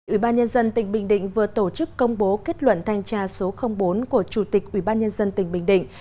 ủy ban nhân dân tỉnh bình định vừa tổ chức công bố kết luận thanh tra số bốn của chủ tịch ủy ban nhân dân tỉnh bình định